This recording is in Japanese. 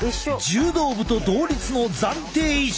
柔道部と同率の暫定１位だ！